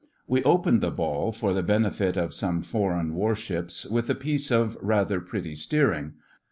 We opened the ball, for the benefit of some foreign warships, with a piece of rather pretty steering.